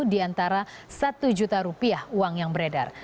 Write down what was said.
di antara satu juta rupiah uang yang beredar